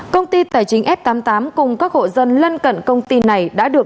công ty tài chính f tám mươi tám cùng các hộ dân lân cận công ty này đã được